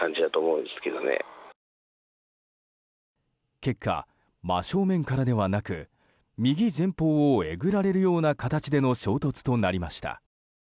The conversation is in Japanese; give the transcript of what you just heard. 結果、真正面からではなく右前方をえぐられるような形での衝突となりました。